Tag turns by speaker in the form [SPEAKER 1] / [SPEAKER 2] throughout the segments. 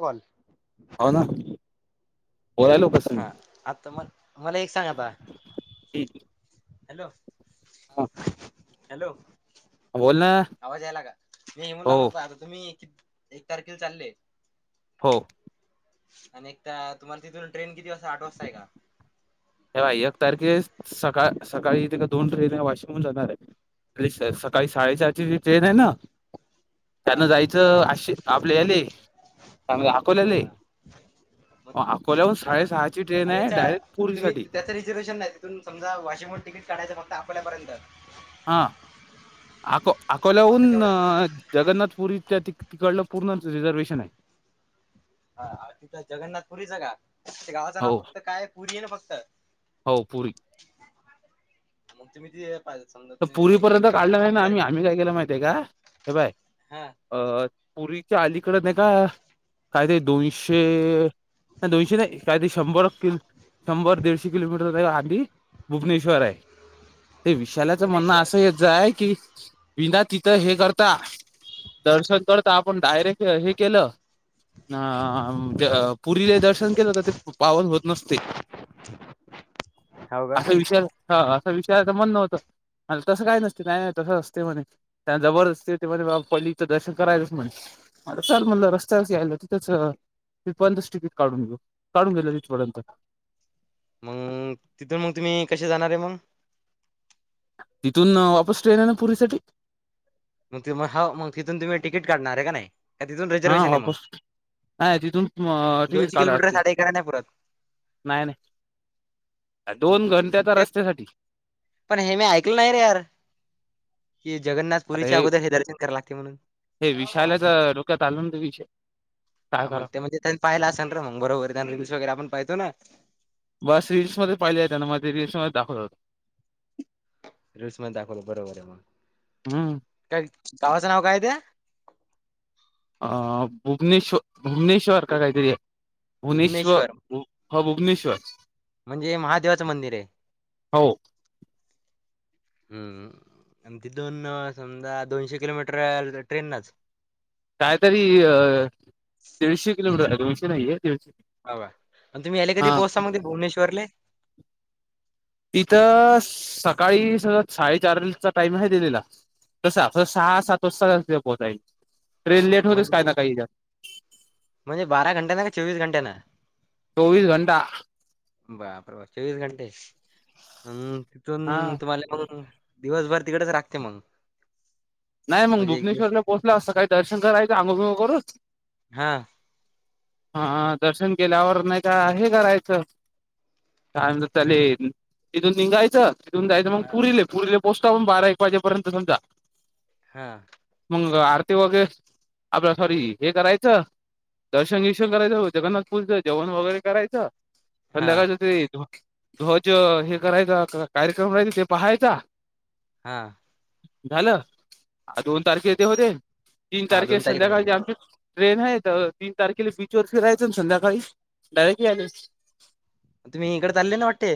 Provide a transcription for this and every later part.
[SPEAKER 1] Call.
[SPEAKER 2] हो ना. बोलायलो कसं
[SPEAKER 1] हा
[SPEAKER 2] मी
[SPEAKER 1] आता म मला एक सांग आता हॅलो.
[SPEAKER 2] हा.
[SPEAKER 1] हॅलो
[SPEAKER 2] बोल ना
[SPEAKER 1] आवाज यायला का मी हेमून
[SPEAKER 2] हो
[SPEAKER 1] लागल होतो आता तुम्ही एक तारखेल चालले.
[SPEAKER 2] हो.
[SPEAKER 1] आणि एक तुम्हाला तिथून ट्रेन किती वाजता आठ वाजताय का?
[SPEAKER 2] हेव्हा एक तारखे सकाळ सकाळी ते का दोन ट्रेन वाशमहून जाणार आहे. सकाळी साडेचार ची ज ट्रेन आहे ना.
[SPEAKER 1] हा
[SPEAKER 2] त्यांना जायचं अशी आपले याले चग अकोल्या आले.
[SPEAKER 1] हा मग
[SPEAKER 2] अकोल्याहून
[SPEAKER 1] हा
[SPEAKER 2] साडेसहाची ट्रेन आहे डायरेक्ट पुरी साठी
[SPEAKER 1] रिर्वेशन नाही तिथून समज वाशिम तिकट काायं फक्त आपल्यापर्यंत
[SPEAKER 2] हां आको आकोलागून
[SPEAKER 1] फक्त तेवढंच
[SPEAKER 2] जगन्नाथपूर इथल्या त तिकडलं पूर्ण रिझर्वेहेशन आहे.
[SPEAKER 1] हा तिथं जग्नाथपुरीचं गा ते गावाचं नाव
[SPEAKER 2] हो
[SPEAKER 1] फक्त काय पुरी आहे ना फक्त
[SPEAKER 2] हो पुरी.
[SPEAKER 1] मग तुम्ही ते समजा
[SPEAKER 2] तर
[SPEAKER 1] तुम्ही एकले
[SPEAKER 2] पुरीपर्यंत
[SPEAKER 1] निघाले
[SPEAKER 2] काढलं नाही
[SPEAKER 1] किती
[SPEAKER 2] ना
[SPEAKER 1] तारीख
[SPEAKER 2] आम्ही. आम्ही काय केलं माहिती आहे का? हे बाय
[SPEAKER 1] हा.
[SPEAKER 2] अ पुरीच्या अलीकड नाही का काय ते दोनशे नाही दोनशे नाही काय ते शंभर किल शंभर, दीडशे किलोमीटर आदी भुवनेश्वर आहे. ते विशाल हा माज म्हणणं
[SPEAKER 1] भुवनेश्वर
[SPEAKER 2] असं यचय की बिना तिथं हे करता दर्शन करता आपण डायरेक्ट हे केलं अ पुरीला दर्शन केलं तर ते पावन होत नसते.
[SPEAKER 1] [inaudible] हो का
[SPEAKER 2] असा विषय ह असा विषया तर म्हण व्हतं. म तसं काय नसतय काय? नाही तसं असते म्हणे. त्या जबरदस्ती ते पल्लीचं दर्शन करायचं म्हणे. चल म्हटलं रस्त्यावरच यायला तिथंच तिथ पर्यंतच टिकीट काढून घेऊ, काढून घेतलेय तिथ पर्यंत.
[SPEAKER 1] मंग तिथून मग तुम्ही कसे जाणार आहे मंग?
[SPEAKER 2] तिथून वापस ट्रेन आहे ना पुरीसाठी?
[SPEAKER 1] मग हो मग तिथून तुम्ही तिकीट काढणार आहे का नाही? तिथून
[SPEAKER 2] हा
[SPEAKER 1] रिझर्वेशन आहे मग
[SPEAKER 2] वापस नाही तिथून तिकीट
[SPEAKER 1] दोनशे
[SPEAKER 2] काढाय
[SPEAKER 1] किलोमीटर
[SPEAKER 2] लागते
[SPEAKER 1] साडे एकरा नाही पुरत.
[SPEAKER 2] नाही नाही.
[SPEAKER 1] मग
[SPEAKER 2] दोन घंट्याच्या
[SPEAKER 1] ए
[SPEAKER 2] रस्त्यासाठी?
[SPEAKER 1] पण हे मी ऐकलं नाही रे यार. की जगन्नाथ पुरीच्या अगोदर हे दर्शन कराय लागतय म्हणून.
[SPEAKER 2] त्यात आलूनंद विष
[SPEAKER 1] मग ते म्हणजे त्यांनी पाहिला असेल र मग बरोबर त्यांना इंस्टाग्राम वगैरे आपण पाहतो ना.
[SPEAKER 2] बस रील्स मध्ये पाहिले आहे त्यांने म ते रील्स मध्ये दाखवतात.
[SPEAKER 1] रिल्स मध्ये दाखवलं बरोबर आहे मग.
[SPEAKER 2] हम्म
[SPEAKER 1] काय गावाचं नाव काय आहे त्या?
[SPEAKER 2] अ भुवनेश भुवनेश्वर का काहीतरी भुवनेश्वर हो भुवनेश्वर.
[SPEAKER 1] म्हणजे महादेवाचं मंदिर आहे.
[SPEAKER 2] हो
[SPEAKER 1] हम्म आणि ती दोन समजा दोनशे किलोमीटर ट्रेन नच?
[SPEAKER 2] काय तरी अ दीडशे किलोमीटर आहे. दोनशे नाही आहेे. दीडशे
[SPEAKER 1] अवा आणि तुम्ही याले कधी
[SPEAKER 2] हा
[SPEAKER 1] पोहचता मग ते भुवनेश्वरले?
[SPEAKER 2] तिथं सकाळी सज साडेचारचा टाइम आहे दिलेला. तस अस सहा, सात वाजता पोहताईल ट्रेन लेट होतेस
[SPEAKER 1] म्हण
[SPEAKER 2] काय ना काही
[SPEAKER 1] म्हणजे बारा घंटेना का चोवीस घंटेन?
[SPEAKER 2] चोवीस घंटा.
[SPEAKER 1] बापरे बाप! चोवीस घंटे? हम्म
[SPEAKER 2] हा
[SPEAKER 1] तिथून तुम्हाले दिवसभर तिकडेच राखते मग?
[SPEAKER 2] नाही मग
[SPEAKER 1] म्हणजे एक दिवस
[SPEAKER 2] भुवनेश्वरला पोहोचलो आज, सकाळी दर्शन करायचं आंघोळ बिंगोळ करून
[SPEAKER 1] हां,
[SPEAKER 2] हा दर्शन केल्यावर नाही काय आहे करायचं? काय तले. तिथून निघायचं तिथून जायचं मग
[SPEAKER 1] हां,
[SPEAKER 2] पुरीले. पुरीले पोचता आपण बारा एक वाजेपर्यंत समजा
[SPEAKER 1] हा.
[SPEAKER 2] मग आरती वगैरे आपल्या सॉरी हे करायचं. दर्शन गिर्षण करायचं जगन्नाथपूरचं जेवण वगैरे करायच,
[SPEAKER 1] हां,
[SPEAKER 2] संध्याकाळचं ते ध्वज हे करायचा कार्यक्रम करायचा ते पहायचा.
[SPEAKER 1] हा.
[SPEAKER 2] झालं. दोन तारखे ते होते तीन
[SPEAKER 1] हां,
[SPEAKER 2] तारखे
[SPEAKER 1] तारीख
[SPEAKER 2] संध्याकाळचे
[SPEAKER 1] पाहिजे.
[SPEAKER 2] आमचे ट्रेन आहे तीन तारखेला. बीच वर फिरायचं ना संध्याकाळी डायरेक्ट यायला-
[SPEAKER 1] तुम्ही इकडे चालले ना वाटते?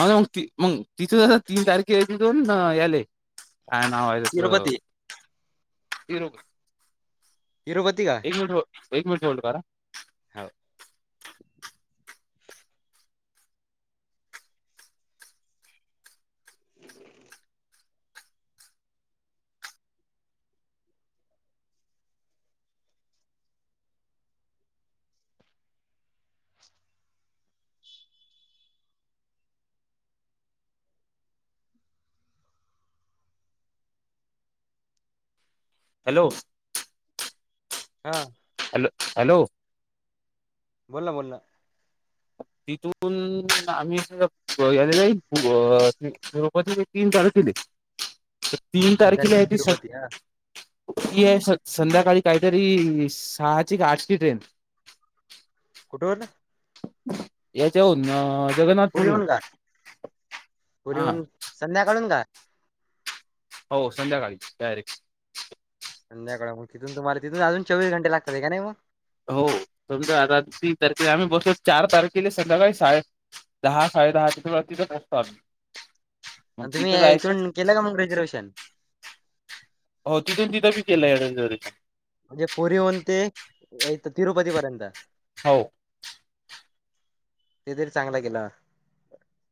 [SPEAKER 2] हो ना मग त मग तिथून तीन तारखेला, तिथून याले काय नाव आहे त्याच?
[SPEAKER 1] तिरुपती.
[SPEAKER 2] ह रग [unintelligible]
[SPEAKER 1] तिरुपती का?
[SPEAKER 2] एक मिनीट हो, एक मिनीट होल्ड करा.
[SPEAKER 1] हो.
[SPEAKER 2] हॅलो?
[SPEAKER 1] आं?
[SPEAKER 2] हॅलो? हॅलो?
[SPEAKER 1] बोल ना, बोल ना.
[SPEAKER 2] तिथून आम्ही, याले जाईल तिरुपती ले तीन तारखेला.
[SPEAKER 1] [inaudible]
[SPEAKER 2] तीन तारखेला आहे.
[SPEAKER 1] तिरुपती. हां,
[SPEAKER 2] [unintelligible] ये संध्याकाळी काहीतरी सहाची का आठची ट्रेन?
[SPEAKER 1] कुठ [unintelligible]
[SPEAKER 2] याच्याहून जगन्नाथपुरी हुन,
[SPEAKER 1] पुरीहून का?
[SPEAKER 2] हा.
[SPEAKER 1] पुरीहून संध्याकाळून का?
[SPEAKER 2] हो संध्याकाळी डयरेक्ट.
[SPEAKER 1] संध्याकाळ, मग तिथून तुम्हाले तिथून चोवीस घंटे लागता का नाही मग?
[SPEAKER 2] हो समजा आता तीन तारखेला आम्ही बसलो, चार तारखेला संध्याकाळी शाळे दहा-साडे दहा तिथ वाजतील असतो.
[SPEAKER 1] आणि तुम्ही इथून केलं का मग रिझर्वेहेशन?
[SPEAKER 2] हो तिथून तिथं बी केलंय [unintelligible]
[SPEAKER 1] म्हणजे पुरीहून ते इथं तिरुपती पर्यंत?
[SPEAKER 2] हो.
[SPEAKER 1] ते तरी चांगला केला.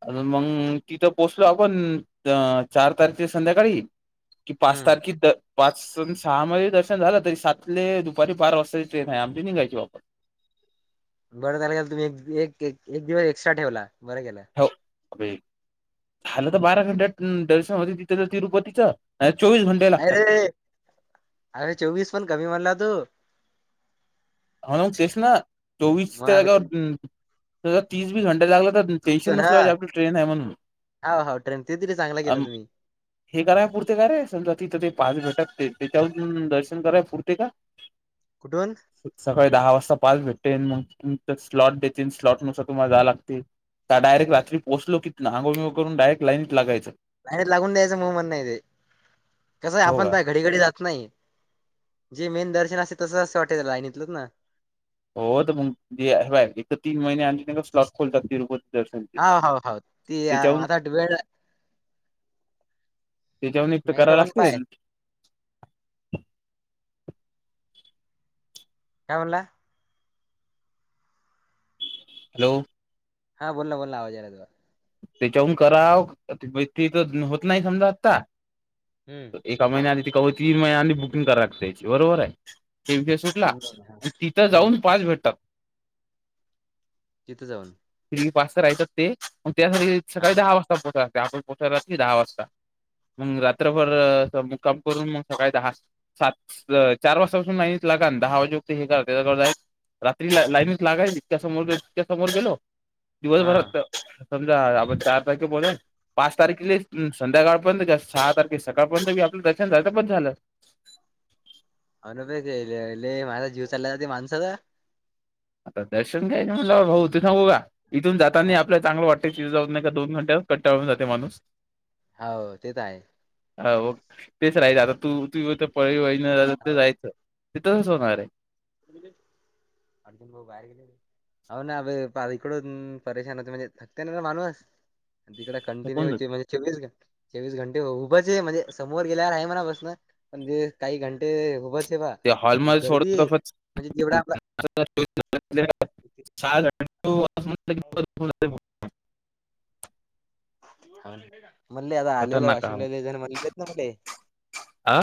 [SPEAKER 2] अजून मग तिथं पोचलो आपण, चार तारखे संध्याकाळी. कि पाच
[SPEAKER 1] हं.
[SPEAKER 2] तारख इथं. पाचन-सहा मध्ये दर्शन झालं, तरी सातले दुपारी बारा वाजताची ट्रेन आहे, आमची निघायची वाप
[SPEAKER 1] बरं झालं गेलं तुम्ही एक-एक दिवस एक्स्ट्रा ठेवला, बरं केलं.
[SPEAKER 2] हो अे झालं तर बारा घंट्या स दर्शन होत ति-रुपतीच. नई चोवीस घंटे. लागतात
[SPEAKER 1] अरे, अरे चोवीस पण कमी, म्हणला तू.
[SPEAKER 2] ह [unintelligible]
[SPEAKER 1] मग
[SPEAKER 2] चोवीसच्या
[SPEAKER 1] आम्ही
[SPEAKER 2] जागेवर, तीस घंटे लागला तर.
[SPEAKER 1] तीस
[SPEAKER 2] टेन्शन
[SPEAKER 1] पण हा
[SPEAKER 2] नसल पाहिजे आपलं ट्रेन आहे म्हणून.
[SPEAKER 1] हा हो ट्रेन ते तरी चांगलं केलं तुम्ही
[SPEAKER 2] हे कराय पुरते का रे, समजा तिथं ते पाच, घंट्यात त्याच्यावरून दर्शन कराय पुरते का?
[SPEAKER 1] कुटून?
[SPEAKER 2] सकाळी दहा वाजता पाच भेटेन मग स्लॉट देतील, स्लॉट नुसार तुम्हाला जाया लागते. त्या डायरेक्ट रात्री पोचल, किंतण अंगोळ करून डायरेक्ट लाईनीट लागायाचं.
[SPEAKER 1] लाईनीत लागून द्यायचं मग म्हण ते, कसं आहे
[SPEAKER 2] हो
[SPEAKER 1] आपण
[SPEAKER 2] का
[SPEAKER 1] पाय घडी घडी जात नाही, जे मेन दर्शन असेल तसं असं वाटेल लाईन इथलंच ना.
[SPEAKER 2] हो तर मग बा ह्याबय एक तीन महिने आपण स्लॉट खोलतात तिरुपत
[SPEAKER 1] हा हाव हाव ती आता वेळ
[SPEAKER 2] त्याच्याहून एक तर
[SPEAKER 1] नेस
[SPEAKER 2] कराव
[SPEAKER 1] पण
[SPEAKER 2] लागते
[SPEAKER 1] पाय. काय म्हणला?
[SPEAKER 2] हॅलो?
[SPEAKER 1] हा बोलना बोलना आवाज यायला लागला
[SPEAKER 2] त्याच्याहून कराव ती तर होत नाही समजा आता.
[SPEAKER 1] हम्म.
[SPEAKER 2] एका महिन्याआदी किंवा तीन महिन्याआदी बुकिंग कराया लागते, बरोबर आहे? कुठला
[SPEAKER 1] तीन महिने हा
[SPEAKER 2] आण तिथं
[SPEAKER 1] हम्म
[SPEAKER 2] जाऊन पाच भेटतात '.
[SPEAKER 1] तिथं जाऊन.
[SPEAKER 2] [unintelligible] फ पास तर राहतात ते पण त्यासाठी
[SPEAKER 1] हा
[SPEAKER 2] सकाळी दहा वाजता पोहोचाव लागते आपण पोहोचय रात्री दहा वाजता. मंग रात्रभर असमुक्काम करून मंग सकाळी दहा सात ल चार वाजतापासून नाही ला का दहा वाजे उत हे कर त्याचा करताय. [unintelligible] रात्री ल लाईनच लागाय इतक्या समोर ततक्या समोर गेलो
[SPEAKER 1] हा
[SPEAKER 2] दिवसभरात [inaudible] समजा आपण चारा पैकी बोलेल. पाच तारखले संध्याकाळपर्यंत त्या सहा तारखे सकाळपर्यंत बी आपलं दर्शन झाल त बस झालं.
[SPEAKER 1] अनुभवच मेईल्या लई माझा [unintelligible] जीव चालला जाते माणसाचा
[SPEAKER 2] आता दर्शन घ्यायच म्हणल्यावर भाऊ तथ [unintelligible] नकूघा इथून जातानी
[SPEAKER 1] हा
[SPEAKER 2] आपला चांगलं वाट त्याची जाऊज नका दोन घंट्यात कंटाळून जाते माणूस.
[SPEAKER 1] होव ते त आहे.
[SPEAKER 2] हव तेच राहाच आता तू तू पळी वळी न रा तर जायचं. [unintelligible] तिथंच होणार हे.
[SPEAKER 1] [unintelligible] अर्जुन भाऊ बाहेर गेले. आव ना वे फार इकड परेशान होत म्हणजे थकते ना [unintelligible] ना माणूस तिकड
[SPEAKER 2] थकून
[SPEAKER 1] कंटिन्यू
[SPEAKER 2] जातो.
[SPEAKER 1] चे म्हणजे चोवीस घं चोवीस घंटे उभंच हे म्हणजे समोर गेल्यावर आहे म्हणा बसनं. म्हणजे काही घंटे उभच हे बा
[SPEAKER 2] ते
[SPEAKER 1] गर्दी हे म्हणजे जेवढा आपला.
[SPEAKER 2] [unintelligible] चार घंटे उभा
[SPEAKER 1] [inaudible] म्हणले आता आलेले वाशिमला जयच म्हणलेत ना मले.
[SPEAKER 2] अ.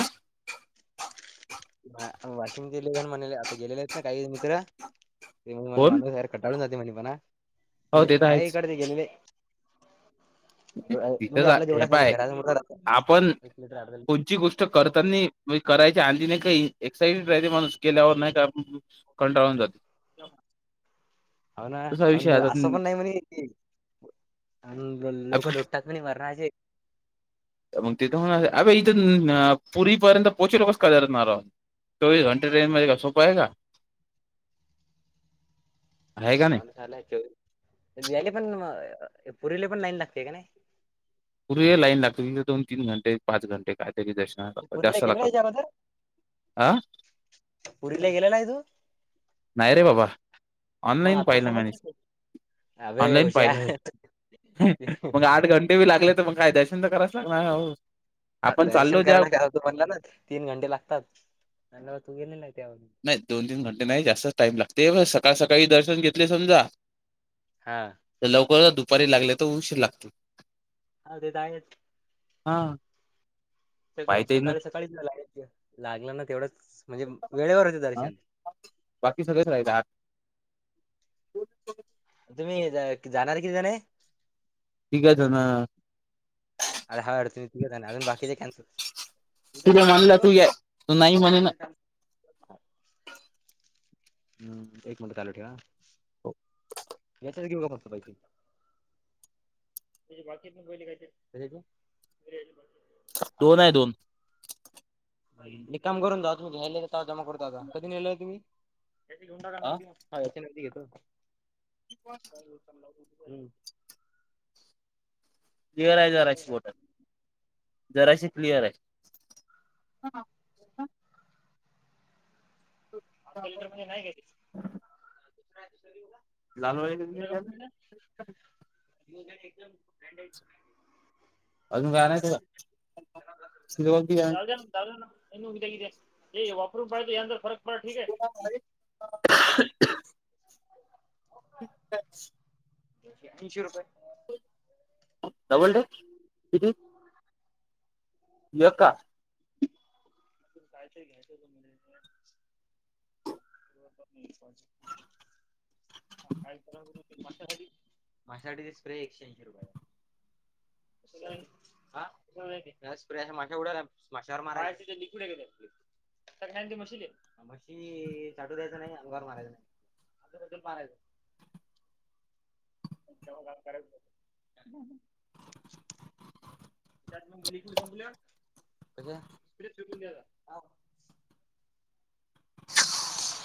[SPEAKER 1] अ वाशिम जिल्हत [unintelligible] म्हणेल हे आता गेले आहेत ना काही मित्र ते
[SPEAKER 2] कोण
[SPEAKER 1] माणू यार कंटाळून जाते म्हणे म्हणा
[SPEAKER 2] हो
[SPEAKER 1] म्हणजे
[SPEAKER 2] ते तर
[SPEAKER 1] हाय
[SPEAKER 2] आहेच
[SPEAKER 1] इकडे चे गेलेले. गअ
[SPEAKER 2] तिथं
[SPEAKER 1] म्हणजे
[SPEAKER 2] जा
[SPEAKER 1] आपल्या
[SPEAKER 2] हे
[SPEAKER 1] जवढ्या समोर
[SPEAKER 2] पाय
[SPEAKER 1] घरासमोर
[SPEAKER 2] आपण
[SPEAKER 1] एक म्र [inaudible]
[SPEAKER 2] म्हजे करायची आणधी नाही काही एक्सरसाइज माणूस केल्यावर
[SPEAKER 1] मीटर
[SPEAKER 2] नाही का [unintelligible] कंटाळून जाते.
[SPEAKER 1] च [unintelligible] हव
[SPEAKER 2] तसा विषय
[SPEAKER 1] ना, असं पण
[SPEAKER 2] आता
[SPEAKER 1] नाही म्हणे आण गल लोक लोटतात. म्हणे म राजे. [unintelligible]
[SPEAKER 2] त मंग तिथे होणार हे अबे ईथुन न पुरी पर्यंत पोहोचेल. [unintelligible] कच कयत नाराण चोवीस घंटे ट्रेनमध्येे का सोपं आहे का?
[SPEAKER 1] [inaudible]
[SPEAKER 2] आहे का नाही.
[SPEAKER 1] आण लाय त्यो पण याले पुरीले पण लाईन लागते का नाही.
[SPEAKER 2] पूरीले लाईन लागते तिथ दोन, तीन, घंटे पाच घंटे कायतरी दश [unintelligible] हा लात
[SPEAKER 1] पुरीला
[SPEAKER 2] जास्त
[SPEAKER 1] गेलेला
[SPEAKER 2] लागतात
[SPEAKER 1] याच्या अगोदर
[SPEAKER 2] ह
[SPEAKER 1] पुरीला गेलेला आहे तू?
[SPEAKER 2] नाही रे बाबा
[SPEAKER 1] मग
[SPEAKER 2] ऑनलाईन
[SPEAKER 1] आता
[SPEAKER 2] पाहिलं मीनी
[SPEAKER 1] समजलं
[SPEAKER 2] स
[SPEAKER 1] ना. अबे
[SPEAKER 2] ऑनलाईन
[SPEAKER 1] उषा
[SPEAKER 2] पाहिल हे मग आठ घं टे बी लागले त मंग काय दर्शन तर कराच लागणार ना हो.
[SPEAKER 1] ह
[SPEAKER 2] आपण
[SPEAKER 1] दर्शन
[SPEAKER 2] चाललो ज्या
[SPEAKER 1] करायला करा [unintelligible] त म्हणला ना तीन घंटे लागतात आणि तू गेलेला त्यावरी.
[SPEAKER 2] नाही दोन, तीन, घंटे नाही जास्त टाईम लागते व सकाळ, सकाळी दर्शन घेतले समजा.
[SPEAKER 1] हां.
[SPEAKER 2] ते लवकर दुपारी लागले तर उंशीर लागते.
[SPEAKER 1] हा ते त आहेच.
[SPEAKER 2] हा.
[SPEAKER 1] तेग
[SPEAKER 2] पाहिता येईल ना
[SPEAKER 1] सकाळी, सकाळीच लाग [unintelligible] लागलं ना तेवढंच म्हणजे वेळेवर होतं दर्शन.
[SPEAKER 2] बाकी सगळेच राहि [unintelligible]
[SPEAKER 1] तुम्ही ज-जाणार किती जण हे.
[SPEAKER 2] तीघ झन.
[SPEAKER 1] अरे हड तुझ [unintelligible] तिघ अजून बाकीचे कॅन्सल
[SPEAKER 2] तु
[SPEAKER 1] उद्या
[SPEAKER 2] बे
[SPEAKER 1] तर
[SPEAKER 2] म्हणला
[SPEAKER 1] चालते
[SPEAKER 2] तू ये तू नाही म्हणे ना.
[SPEAKER 1] हम् एक म्हटत आलो ठेवा. याच्यात घेऊ कात पाहिे त्या बाकीत बहिली काय?
[SPEAKER 2] दोन आहे दोन
[SPEAKER 1] एक काम करून जा तु घ्याय जमा करत आता कधी नेय तुम्ही घेना का. हा याचे न घेतो.
[SPEAKER 2] क्लिअर आहे जराशी बोट आहे जराशी क्लिअर आहे.
[SPEAKER 1] आ लिटर म्हणजे नाही का
[SPEAKER 2] लाल
[SPEAKER 1] कोुल्या्या
[SPEAKER 2] अजून
[SPEAKER 1] कंपनीला एकदम
[SPEAKER 2] काय नाही तुला
[SPEAKER 1] [unintelligible] हे वापर बायो यंद फरक
[SPEAKER 2] हो.
[SPEAKER 1] तीनशे रुपये.
[SPEAKER 2] डबल टेक किती? [unintelligible]
[SPEAKER 1] तु कायचय घ्यायचं हो त मध्ये नाही पाकत काय विचारणार होतो मी ते माशासाठी माशासाठी ते स्प्रे एकशेऐंशी रुपयाचा. [unintelligible] हा्रश त्या स्प्रे अशा माशा उडाल्या माश्यावर मारायचा काय आहे लिक्विड आहे का त्या स्प्रे सग नाही ती म्हशी ले मशी चाटू द्यायच नाही न अंगार मारायच त्यांच्या अन् [unintelligible] मारायचं. तेवराच त्यात मग लिक्विड संपल्यावर कशात?
[SPEAKER 2] [unintelligible]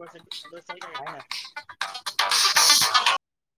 [SPEAKER 1] वासाठी दो सडे आहे ना.